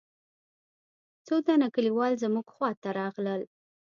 څو تنه کليوال زموږ خوا ته راغلل.